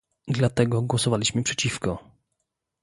Dlatego głosowaliśmy przeciwko